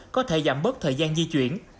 có thể giảm bớt thời gian di chuyển